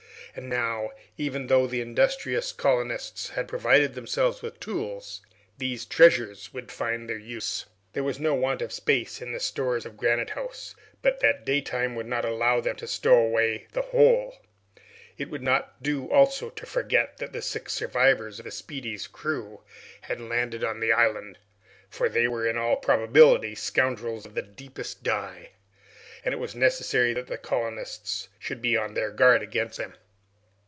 And now, even though the industrious colonists had provided themselves with tools, these treasures would find their use. There was no want of space in the store rooms of Granite House, but that daytime would not allow them to stow away the whole. It would not do also to forget that the six survivors of the "Speedy's" crew had landed on the island, for they were in all probability scoundrels of the deepest dye, and it was necessary that the colonists should be on their guard against them.